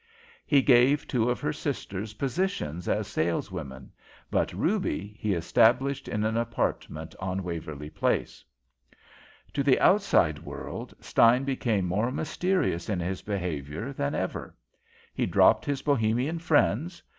He gave two of her sisters positions as saleswomen, but Ruby he established in an apartment on Waverly Place. "To the outside world Stein became more mysterious in his behaviour than ever. He dropped his Bohemian friends.